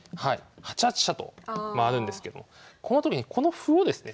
８八飛車と回るんですけどもこのときにこの歩をですね